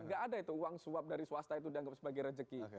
gak ada itu uang suap dari swasta itu dianggap sebagai rezeki